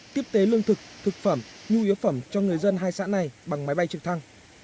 tiếp tế lương thực thực phẩm nhu yếu phẩm cho người dân hai xã này bằng máy bay trực thăng